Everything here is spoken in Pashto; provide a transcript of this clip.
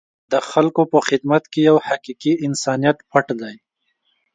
د خلکو په خدمت کې یو حقیقي انسانیت پټ دی.